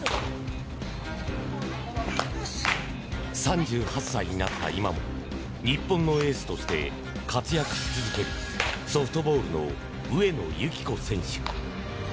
３８歳になった今も日本のエースとして活躍し続けるソフトボールの上野由岐子選手。